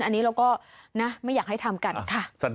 อันนี้เราก็นะไม่อยากให้ทำกันค่ะ